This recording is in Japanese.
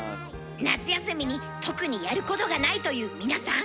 夏休みに特にやることがないという皆さん！